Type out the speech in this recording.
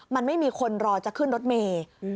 มันไม่มีคนรอจะขึ้นรถเมย์